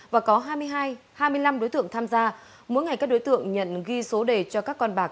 và có hai mươi hai hai mươi năm đối tượng tham gia mỗi ngày các đối tượng nhận ghi số đề cho các con bạc